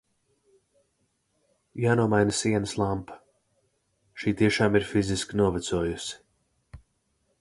Jānomaina sienas lampa, šī tiešām ir fiziski novecojusi.